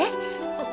あっ。